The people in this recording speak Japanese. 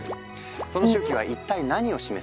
その周期は一体何を示すのか？